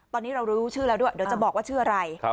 ตอนนี้เรารู้ชื่อแล้วด้วยเดี๋ยวจะบอกว่าชื่ออะไร